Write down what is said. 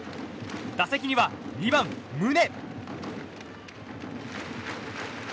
打席には２番、宗。